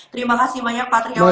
terima kasih banyak pak